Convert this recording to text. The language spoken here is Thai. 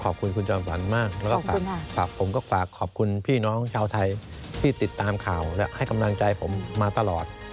ขอบคุณคุณจอมฝันมากแล้วก็ฝากผมก็ฝากขอบคุณพี่น้องชาวไทยที่ติดตามข่าวและให้กำลังใจผมมาตลอด